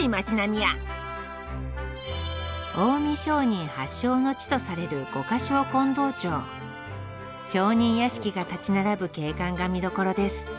近江商人発祥の地とされる商人屋敷が立ち並ぶ景観が見どころです